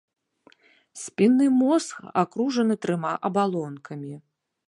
Спінны мозг акружаны трыма абалонкамі.